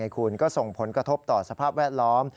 คุณก็ส่งผลกระทบต่อสภาพแวดล้อม